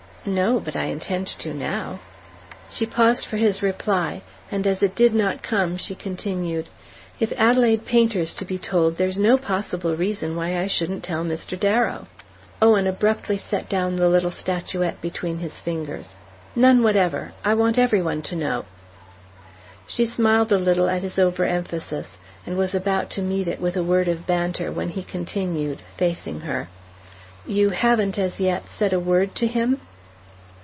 "No; but I intend to now." She paused for his reply, and as it did not come she continued: "If Adelaide Painter's to be told there's no possible reason why I shouldn't tell Mr. Darrow." Owen abruptly set down the little statuette between his fingers. "None whatever: I want every one to know." She smiled a little at his over emphasis, and was about to meet it with a word of banter when he continued, facing her: "You haven't, as yet, said a word to him?"